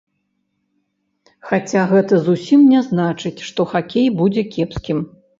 Хаця гэта зусім не значыць, што хакей будзе кепскім.